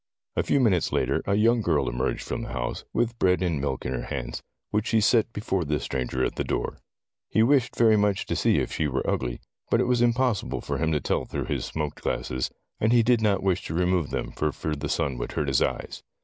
A few minutes later a young girl emerged from the house, with bread and milk in her hands, which she set before the stranger at the door. He wished very much to see if she were ugly, but it was impossible for him to tell through his smoked glasses, and he did not wish to remove them, for fear the sun would hurt his eyes.